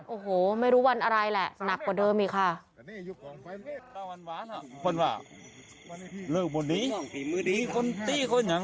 โอ้โหไม่รู้วันอะไรแหละหนักกว่าเดิมอีกค่ะ